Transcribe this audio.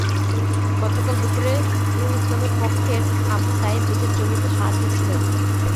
গতকাল দুপুরে নুর ইসলামের পক্ষের আবু সাঈদ নিজের জমিতে সার দিচ্ছিলেন।